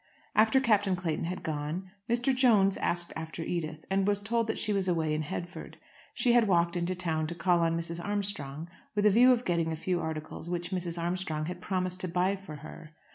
After Captain Clayton had gone, Mr. Jones asked after Edith, and was told that she was away in Headford. She had walked into town to call on Mrs. Armstrong, with a view of getting a few articles which Mrs. Armstrong had promised to buy for her.